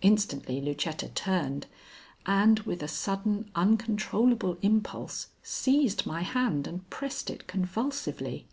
Instantly Lucetta turned, and, with a sudden, uncontrollable impulse, seized my hand and pressed it convulsively.